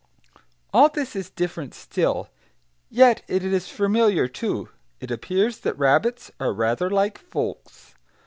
all this is different still, yet it is familiar, too; it appears that rabbits are rather like folks.